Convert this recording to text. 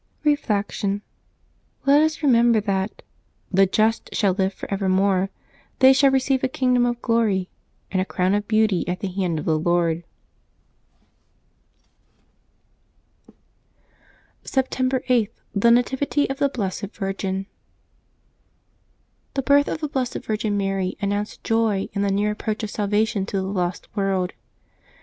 Reflection. — Let us remember that " the just shall live for evermore ; they shall receive a kingdom of glory, and a crown of beautv at the hand of the Lord.'* 308 LIYE8 OF THE SAINTS [September 8 September 8.— THE NATIVITY OF THE BLESSED VIRGIN. ^^HE birth of the Blessed Virgin Mary announced joy V ^ and the near approach of salvation to the lost world.